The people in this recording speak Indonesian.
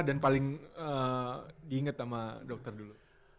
dan paling diinget sama dokter dulu